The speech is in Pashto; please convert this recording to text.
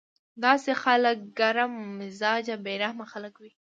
داسې خلک ګرم مزاجه بې رحمه خلک وي